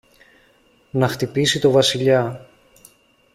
να χτυπήσει το Βασιλιά.